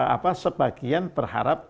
apa sebagian berharap